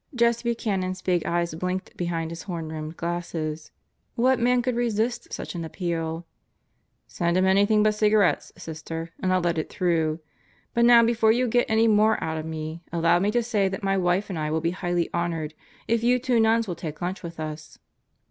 Jess Buchanan's big eyes blinked behind his horn rimmed glasses. What man could resist such an appeal? "Send him any thing but cigarettes, Sister, and 111 let it through. But now before you get any more out of me, allow me to say that my wife and I will be highly honored if you two nuns will take lunch with us."